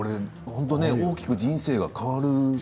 大きく人生が変わる。